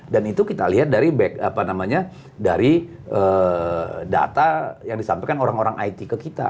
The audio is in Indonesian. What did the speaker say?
dan itu kita lihat dari data yang disampaikan orang orang it ke kita